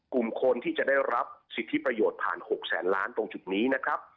กลุ่มคนที่จะได้รับสิทธิประโยชน์ผ่าน๖แสนล้านตรงจุดนี้นะครับ